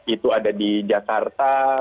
itu ada di jakarta